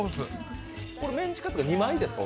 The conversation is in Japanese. メンチカツって２枚ですか？